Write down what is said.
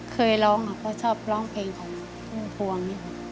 เคยร้องชอบร้องเพลงของภูมิภวง